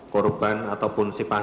korban ataupun sifatnya